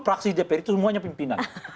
praksi dpr itu semuanya pimpinan